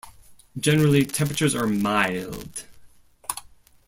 Generally, temperatures are mild.